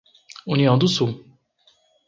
União do Sul